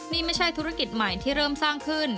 นี่ไม่ใช่ธุรกิจใหม่ที่เริ่มสร้างขึ้น